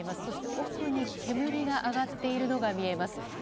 そして、奥に煙が上がっているのが見えます。